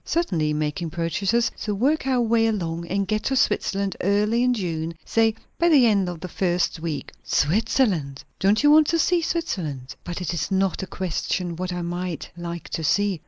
"Certainly, making purchases. So work our way along, and get to Switzerland early in June say by the end of the first week." "Switzerland!" "Don't you want to see Switzerland?" "But it is not the question, what I might like to see."